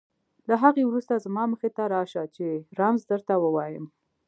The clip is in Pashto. له هغې وروسته زما مخې ته راشه چې رمز درته ووایم.